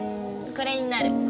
これになる？